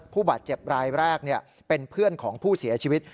ผู้บาดเจ็บรายแรกเป็นเพื่อนของผู้เสียชีวิต